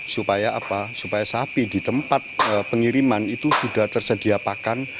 supaya sapi di tempat pengiriman itu sudah tersedia pakan